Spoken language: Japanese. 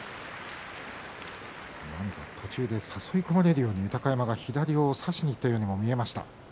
途中で誘い込まれるように豊山が左を差しにいったように見えました。